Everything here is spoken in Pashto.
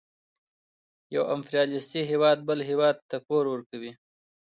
یو امپریالیستي هېواد بل هېواد ته پور ورکوي